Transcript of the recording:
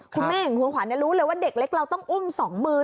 คุณแม่อย่างคุณขวัญรู้เลยว่าเด็กเล็กเราต้องอุ้ม๒มือ